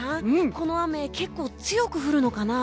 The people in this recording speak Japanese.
この雨、強く降るのかな？